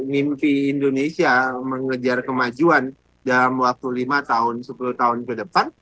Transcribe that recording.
mimpi indonesia mengejar kemajuan dalam waktu lima tahun sepuluh tahun ke depan